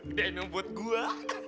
gedein yang buat gue